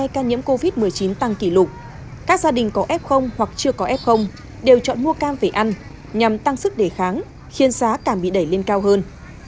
các gia đình có f hoặc chưa có f đều chọn mua cam phải ăn nhằm tăng sức đề kháng khiến giá càng bị đẩy lên cao hơn